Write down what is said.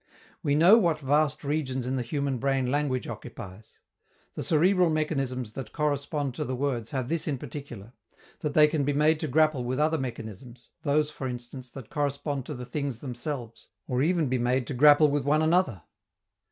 We know what vast regions in the human brain language occupies. The cerebral mechanisms that correspond to the words have this in particular, that they can be made to grapple with other mechanisms, those, for instance, that correspond to the things themselves, or even be made to grapple with one another.